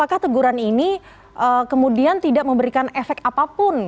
apakah teguran ini kemudian tidak memberikan efek apapun